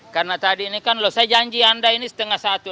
karena tadi ini kan loh saya janji anda ini setengah satu